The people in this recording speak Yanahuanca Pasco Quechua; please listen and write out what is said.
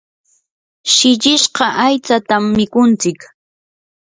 shillishqa aytsatam mikuntsik.